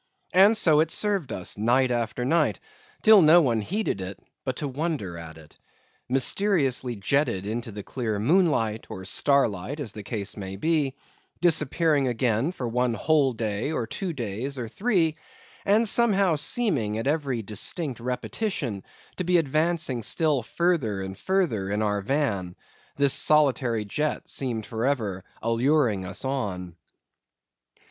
And so it served us night after night, till no one heeded it but to wonder at it. Mysteriously jetted into the clear moonlight, or starlight, as the case might be; disappearing again for one whole day, or two days, or three; and somehow seeming at every distinct repetition to be advancing still further and further in our van, this solitary jet seemed for ever alluring us on.